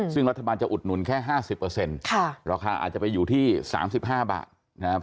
ซึ่งรัฐบาลจะอุดหนุนแค่๕๐ราคาอาจจะไปอยู่ที่๓๕บาทนะครับ